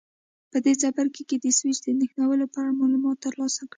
په دې څپرکي کې د سویچ د نښلولو په اړه معلومات ترلاسه کړئ.